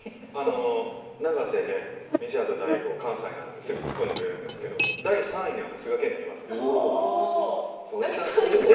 永瀬廉、西畑大吾、関西なんですぐツッコんでくれるんですけど第３位には須賀健太いますね。